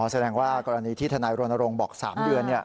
อ๋อแสดงว่ากรณีที่ทนายโรนโรงบอกสามเดือน